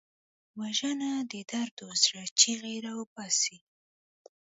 وژنه د دردو زړه چیغې راوباسي